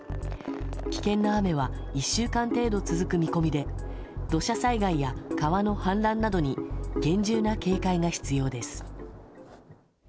危険な雨は１週間程度続く見込みで土砂災害や川の氾濫などに厳重な警戒が必要です。